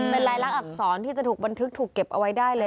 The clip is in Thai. เป็นลายลักษณอักษรที่จะถูกบันทึกถูกเก็บเอาไว้ได้เลย